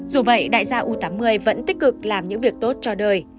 dù vậy đại gia u tám mươi vẫn tích cực làm những việc tốt cho đời